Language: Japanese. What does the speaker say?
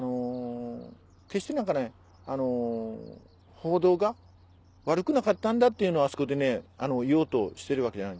決して報道が悪くなかったんだっていうのをあそこで言おうとしてるわけじゃない。